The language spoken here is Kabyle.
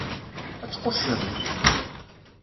Ad tquccem!